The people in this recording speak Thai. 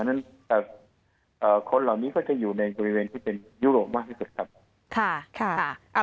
เพราะฉะนั้นคนเหล่านี้ก็จะอยู่ในบริเวณที่เป็นยุโรปมากที่สุดครับ